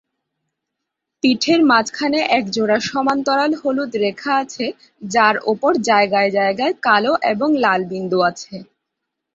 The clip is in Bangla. পিঠের মাঝখানে একজোড়া সমান্তরাল হলুদ রেখা আছে যার ওপর জায়গায় জায়গায় কালো এবং লাল বিন্দু আছে।